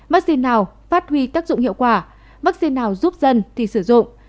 vaccine nào phát huy tác dụng hiệu quả vaccine nào giúp dân thì sử dụng